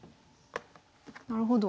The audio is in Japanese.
なるほど。